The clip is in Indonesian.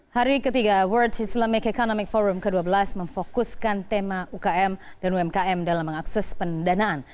hari ketiga world islamic economic forum ke dua belas memfokuskan tema ukm dan umkm dalam mengakses pendanaan